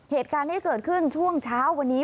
เหตุการณ์ที่เกิดขึ้นช่วงเช้าวันนี้